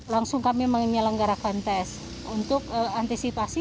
langsung kami menyelenggarakan tes untuk antisipasi